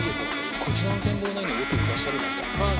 こちらの展望台にはよくいらっしゃいますか？